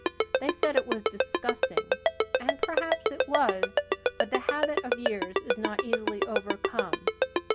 They said it was disgusting and perhaps it was; but the habit of years is not easily overcome.